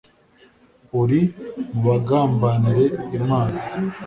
uri mu bagambanira imana